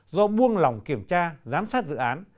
do buông lòng kiểm tra giám sát dự án